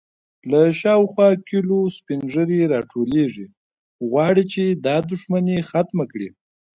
_له شاوخوا کليو سپين ږيرې راټولېږي، غواړي چې دا دښمنې ختمه کړي.